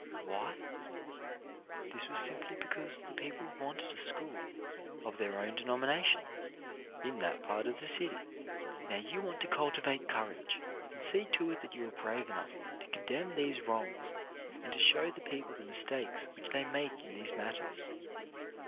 Why? Simply because the people wanted a school of their own denomination in that part of the city. Now you want to cultivate courage, and see to it that you are brave enough to condemn these wrongs and to show the people the mistakes which they make in these matters.